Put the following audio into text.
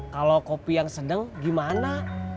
kalau kopi yang sedang gimana